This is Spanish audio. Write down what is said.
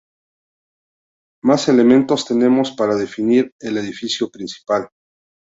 Más elementos tenemos para definir el edificio principal.